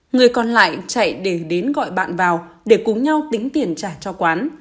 người còn lại chạy để đến gọi bạn vào để cùng nhau tính tiền trả cho quán